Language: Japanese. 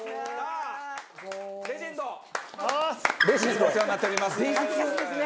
いつもお世話になっております。